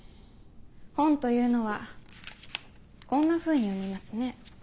本というのはこんなふうに読みますね。